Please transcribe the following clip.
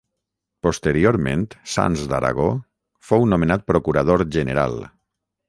Posteriorment Sanç d'Aragó fou nomenat Procurador general.